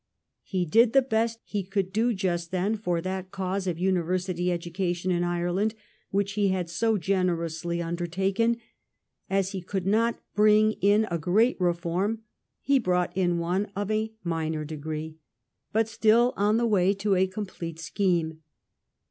He did the best he could do just then for that cause of university education in Ireland which he had so generously undertaken; as he could not bring in a great reform, he brought in one of a minor degree, but still on the way to a complete scheme.